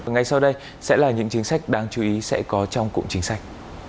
ngay sau đây sẽ là những chính sách đáng chú ý sẽ có trong cụm chính sách